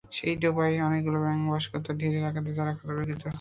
সেই ডোবায় অনেকগুলো ব্যাঙ বাস করত, ঢিলের আঘাতে যারা ক্ষতবিক্ষত হচ্ছিল।